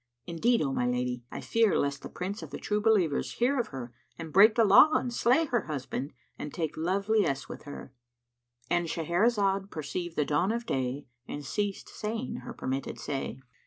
[FN#90] Indeed, O my lady, I fear lest the Prince of True Believers hear of her and break the law and slay her husband and take love liesse with her."—And Shahrazad perceived the dawn of day and ceased saying her permitted say.